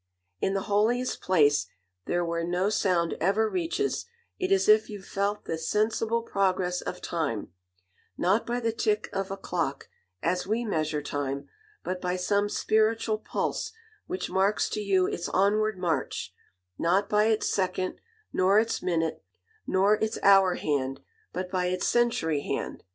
In the holiest place, there where no sound ever reaches, it is as if you felt the sensible progress of time, not by the tick of a clock, as we measure time, but by some spiritual pulse which marks to you its onward march, not by its second, nor its minute, nor its hour hand, but by its century hand.